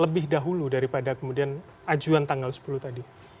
lebih dahulu daripada kemudian ajuan tanggal sepuluh tadi